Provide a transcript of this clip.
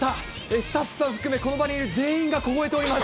スタッフさん含め、この場にいる全員が凍えております。